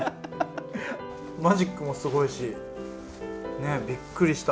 マジックもすごいしビックリした。